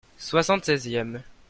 Soixante-seizième.